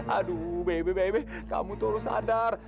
aduh bebe bebek kamu tuh harus sadar